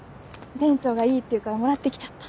店長がいいって言うからもらってきちゃった。